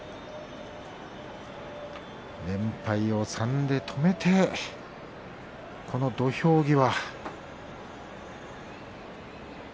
連敗を３で止めてこの土俵際。